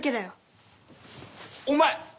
お前！